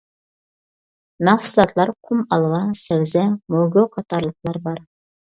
مەھسۇلاتلار قۇم ئالما، سەۋزە، موگۇ قاتارلىقلار بار.